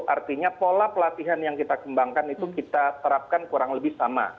artinya pola pelatihan yang kita kembangkan itu kita terapkan kurang lebih sama